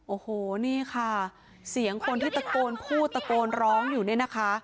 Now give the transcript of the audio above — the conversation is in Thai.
โอ้โหนี่ค่ะเสียงคนที่ตะโกนพูดตะโกนร้องอยู่เนี่ยนะคะ